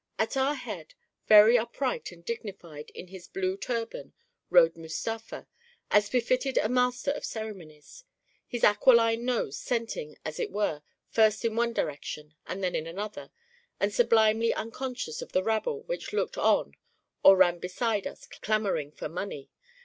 At our head, very upright and dignified in his blue tur ban, rode Mustafa, as befitted a master of cere monies, his aquiline nose scenting, as it were, first in one direction and then in another, and sublimely un conscious of the rabble which looked on or ran be side us clamoring for money.